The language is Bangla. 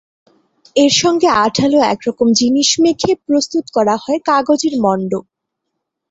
এর সঙ্গে আঠালো একরকম জিনিস মেখে প্রস্তুত করা হয় কাগজের মণ্ড।